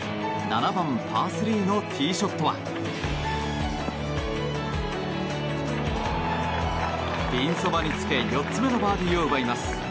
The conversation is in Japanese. ７番、パー３のティーショットはピンそばにつけ４つ目のバーディーを奪います。